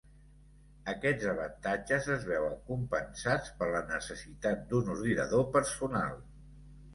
Aquests avantatges es veuen compensats per la necessitat d'un ordinador personal.